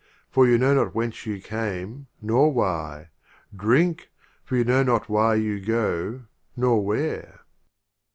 for you know not whence you came, nor why : Drink ! for you know not why you go, nor where.